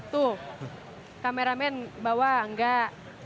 tuh kameramen bawa nggak